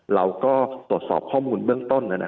เราก็ตรวจสอบข้อมูลเบื้องต้น